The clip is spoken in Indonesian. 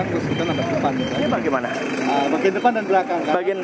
kita juga nggak tahu tiba tiba ditabrak dari belakang terus kita nabrak depan